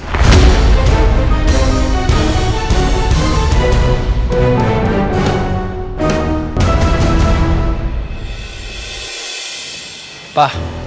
gue bakal bikin kejutan